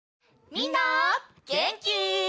みんなげんき？